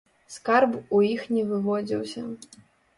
Скарб у іх не выводзіўся.